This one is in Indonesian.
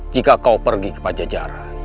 jika kau pergi ke pajajaran